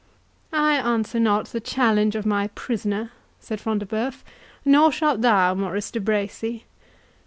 "I answer not the challenge of my prisoner," said Front de Bœuf; "nor shalt thou, Maurice de Bracy.